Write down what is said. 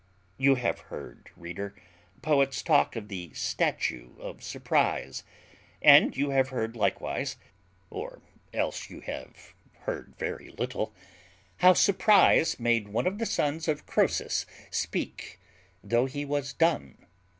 You have heard, reader, poets talk of the statue of Surprize; you have heard likewise, or else you have heard very little, how Surprize made one of the sons of Croesus speak, though he was dumb.